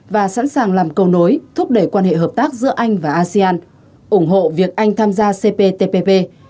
và sẵn sàng làm cầu nối thúc đẩy quan hệ hợp tác giữa anh và asean ủng hộ việc anh tham gia cptpp